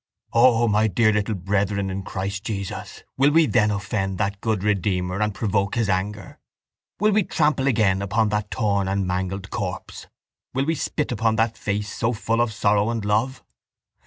—O, my dear little brethren in Christ Jesus, will we then offend that good Redeemer and provoke His anger? Will we trample again upon that torn and mangled corpse? Will we spit upon that face so full of sorrow and love?